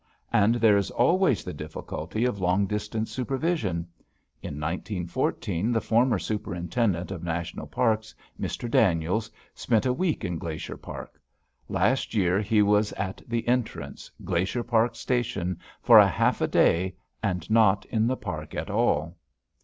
And there is always the difficulty of long distance supervision. In 1914 the former Superintendent of National Parks, Mr. Daniels, spent a week in Glacier Park. Last year he was at the entrance, Glacier Park Station, for a half a day, and not in the park at all.